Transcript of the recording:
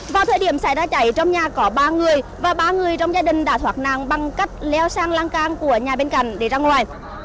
vào thời điểm xảy ra cháy trong nhà có ba người và ba người trong gia đình đã thoạt nàng bằng cách leo sang lang cang của nhà bên cạnh để ra ngoài